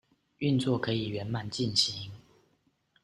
運作可以圓滿進行